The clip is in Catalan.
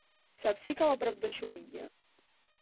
Saps si cau a prop de Xulilla?